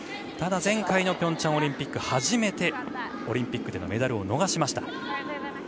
ただ、前回のピョンチャンオリンピック初めてオリンピックでメダルを逃しました。